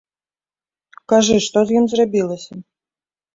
Кажы, што з ім зрабілася?